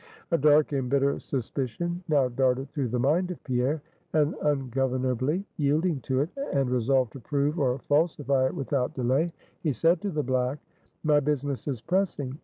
A dark and bitter suspicion now darted through the mind of Pierre; and ungovernably yielding to it, and resolved to prove or falsify it without delay, he said to the black: "My business is pressing.